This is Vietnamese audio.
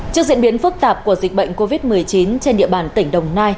trước diễn biến phức tạp của dịch bệnh covid một mươi chín trên địa bàn tỉnh đồng nai